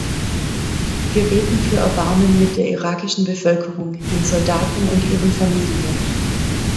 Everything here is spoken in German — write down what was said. Wir beten für Erbarmen mit der irakischen Bevölkerung, den Soldaten und ihren Familien.